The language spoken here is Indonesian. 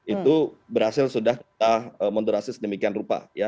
itu berhasil sudah kita moderasi sedemikian rupa ya